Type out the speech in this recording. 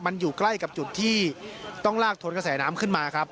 มันอยู่ใกล้กับจุดที่ต้องลากทนกระแสน้ำขึ้นมาครับ